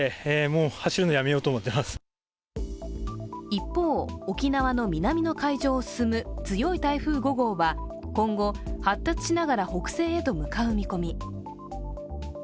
一方、沖縄の南の海上を進む強い台風５号は今後、発達しながら北西へと向かう見込み。